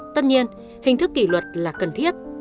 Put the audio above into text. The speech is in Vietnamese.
tất nhiên hình thức kỷ luật là cần thiết